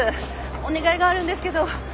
お願いがあるんですけど。